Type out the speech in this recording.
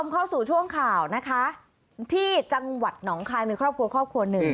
เข้าสู่ช่วงข่าวนะคะที่จังหวัดหนองคายมีครอบครัวครอบครัวหนึ่ง